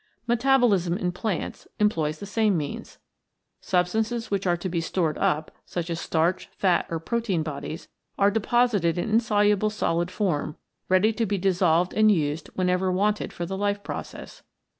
Metabolism in plants employs the same means. Substances which are to be stored up, such as starch, fat, or protein bodies, are deposited in insoluble solid form, ready to be dissolved and used whenever wanted for the life process.